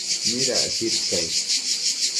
Midapadquid cai?